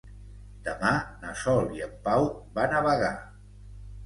Demà na Sol i en Pau van a Bagà.